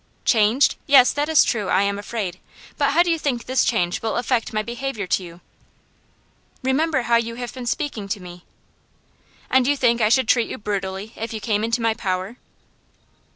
'Changed? Yes, that is true, I am afraid. But how do you think this change will affect my behaviour to you?' 'Remember how you have been speaking to me.' 'And you think I should treat you brutally if you came into my power?